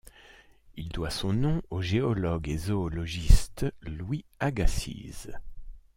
Il doit son nom au géologue et zoologiste Louis Agassiz.